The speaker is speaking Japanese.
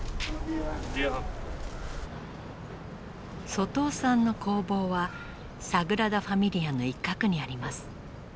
外尾さんの工房はサグラダ・ファミリアの一角にあります。